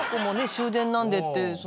終電なんでって。